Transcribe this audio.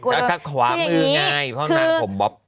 แล้วถ้าขวามือง่ายเพราะว่านางผมบ๊อบ